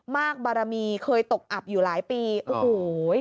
บารมีเคยตกอับอยู่หลายปีโอ้โห